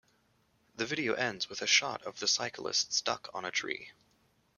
The video ends with a shot of the cyclist stuck on a tree.